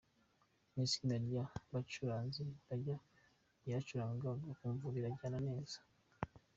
Mu itsinda ry’abacuranzi banjye yaracurangaga ukumva birajyanye neza.